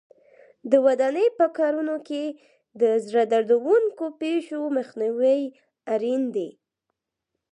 د ودانۍ په کارونو کې د زړه دردوونکو پېښو مخنیوی اړین دی.